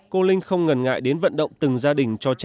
cô linh không ngần ngại đến vận động từng gia đình cho trẻ